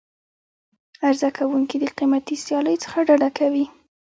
عرضه کوونکي د قیمتي سیالۍ څخه ډډه کوي.